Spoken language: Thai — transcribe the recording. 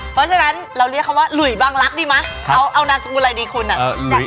เพราะฉะนั้นเราเรียกคำว่าหลุยบังลักษณ์ดีไหมเอานามสกุลอะไรดีคุณอ่ะ